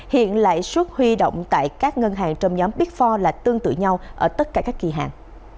hiện lãi suất huy động tại các ngân hàng trong nhóm pick four là tương tự nhau ở tất cả các kỳ hạn